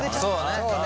そうだね。